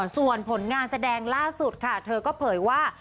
ส่วนผลงานแสดงล่าสุดค่ะเธอก็เผยว่า